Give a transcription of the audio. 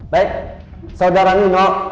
baik saudara nino